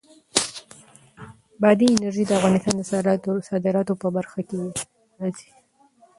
بادي انرژي د افغانستان د صادراتو په برخه کې راځي.